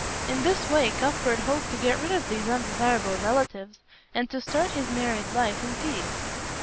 In this way Cuthbert hoped to get rid of these undesirable relatives and to start his married life in peace.